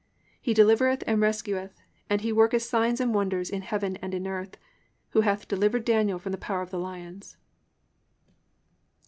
(27) He delivereth and rescueth, and he worketh signs and wonders in heaven and in earth, who hath delivered Daniel from the power of the lions."